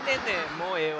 もうええわ。